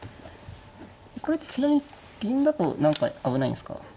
これってちなみに銀だと何か危ないんですか。